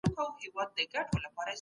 سوداګرو به په دي لار کي تګ راتګ کاوه.